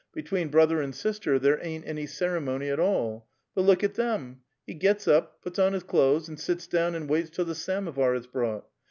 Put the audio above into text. Between brother and sister there ain't any ceremony at all. But look at them ! He gits up, puts on his clo'es, and sits down and waits till the samovar is brought.